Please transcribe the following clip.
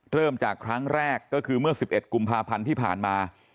เริ่มจากครั้งแรกก็คือเมื่อ๑๑กุมภาพันธ์ที่ผ่านมา